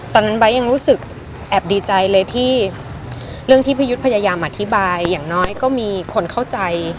ตอนนั้นไบ้ยังรู้สึกแอบดีใจเลยที่เรื่องที่พยายามอธิบายอย่างน้อยก็มีคนเข้าใจ